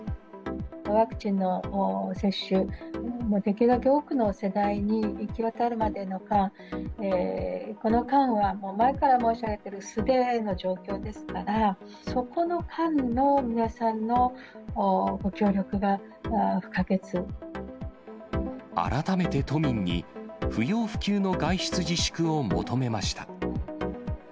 ワクチンの接種ができるだけ多くの世代に行き渡るまでの間、この間は前から申し上げている素手の状況ですから、そこの間の皆改めて都民に、不要不急の外出自粛を求めました。